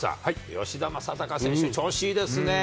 吉田正尚選手、調子いいですね。